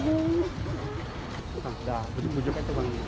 udah ujung ujungnya tuh bang